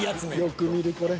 よく見るこれ。